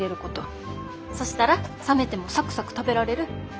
そしたら冷めてもサクサク食べられる。